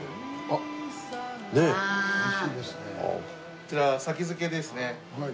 こちらは先付けですね。